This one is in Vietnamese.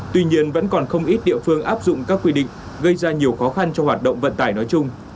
tuy nhiên vẫn còn không ít địa phương áp dụng các quy định gây ra nhiều khó khăn cho hoạt động vận tải nói chung